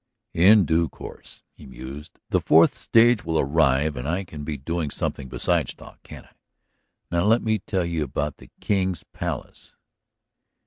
"In due course," he mused, "the fourth stage will arrive and I can be doing something besides talk, can't I? Now let me tell you about the King's Palace."